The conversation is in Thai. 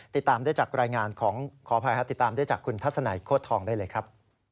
ติดตามได้จากรายงานของขออภัยครับติดตามได้จากคุณทัศนัยโคตรทองได้เลยครับ